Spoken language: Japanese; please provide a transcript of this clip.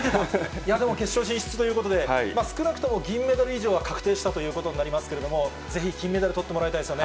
いや、でも、決勝進出ということで、少なくとも銀メダル以上は確定したということになりますけれども、ぜひ金メダルとってもらいたいですよね。